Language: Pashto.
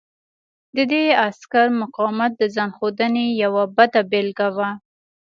د دې عسکر مقاومت د ځان ښودنې یوه بده بېلګه وه